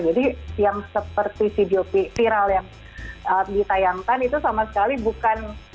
jadi yang seperti video viral yang ditayangkan itu sama sekali bukan